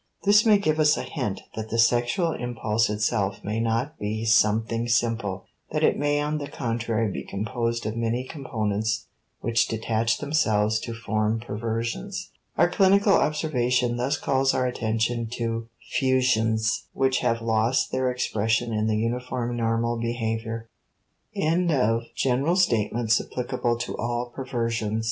This may give us a hint that the sexual impulse itself may not be something simple, that it may on the contrary be composed of many components which detach themselves to form perversions. Our clinical observation thus calls our attention to fusions which have lost their expression in the uniform normal behavior. 4. THE SEXUAL IMPULSE IN NEUROTICS *Psychoanal